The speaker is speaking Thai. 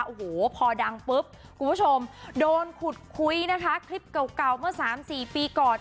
โอ้โหพอดังปุ๊บคุณผู้ชมโดนขุดคุยนะคะคลิปเก่าเมื่อสามสี่ปีก่อน